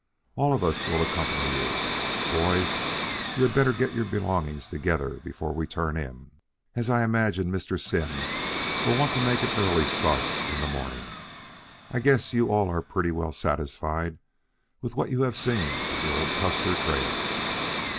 "All of us will accompany you. Boys, you had better get your belongings together before we turn in, as I imagine Mr. Simms will want to make an early start in the morning. I guess you are all pretty well satisfied with what you have seen of the old Custer trail."